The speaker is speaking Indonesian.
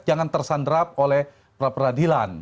jangan tersandrap oleh peradilan